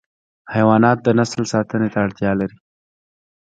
حیوانات د نسل ساتنه ته اړتیا لري.